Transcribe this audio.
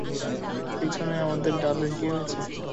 পিছনে, আমাদের ঢালের কী হয়েছে?